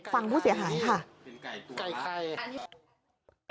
ฟังผู้เสียหายค่ะ